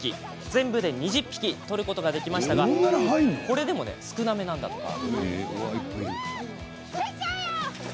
全部で２０匹取ることができましたがこれでも少なめなんだとか。